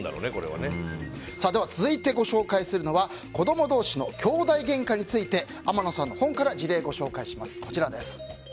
続いて、ご紹介するのは子ども同士のきょうだいゲンカについて天野さんの本から事例紹介します。